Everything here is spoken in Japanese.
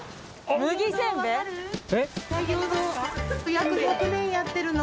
約１００年やってるの。